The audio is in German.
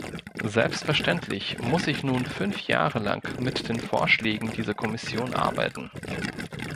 Selbstverständlich muss ich nun fünf Jahre lang mit den Vorschlägen dieser Kommission arbeiten.